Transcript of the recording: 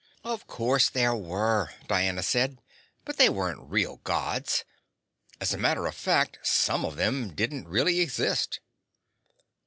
"Of course there were," Diana said, "but they weren't real Gods. As a matter of fact, some of them didn't really exist."